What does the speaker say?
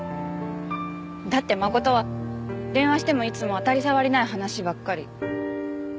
だって真琴は電話してもいつも当たり障りない話ばっかり。